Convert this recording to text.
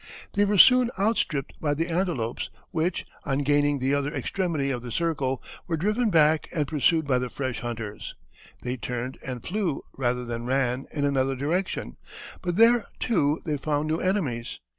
They were soon outstripped by the antelopes, which, on gaining the other extremity of the circle, were driven back and pursued by the fresh hunters. They turned and flew, rather than ran, in another direction; but there, too, they found new enemies.